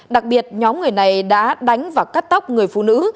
đặc biệt nhóm người này đã đánh và cắt tóc người phụ nữ